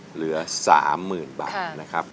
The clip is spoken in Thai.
เหลือสามหมื่นบาทนะครับ